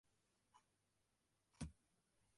Lampen giel.